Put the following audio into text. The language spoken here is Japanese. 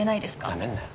なめんなよ